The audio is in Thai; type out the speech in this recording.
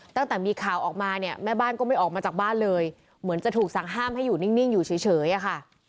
ตั้งแต่มีข่าวออกมาเนี่ยแม่บ้านก็ไม่ออกมาจากบ้านเลยเหมือนจะถูกสั่งห้ามให้อยู่นิ่งอยู่เฉยอะค่ะ